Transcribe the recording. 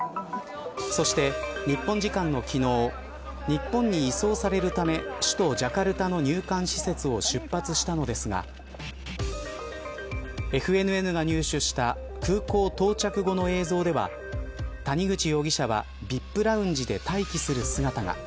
そして日本時間の昨日日本に移送されるため首都ジャカルタの入管施設を出発したのですがＦＮＮが入手した空港到着後の映像では谷口容疑者はＶＩＰラウンジで待機する姿が。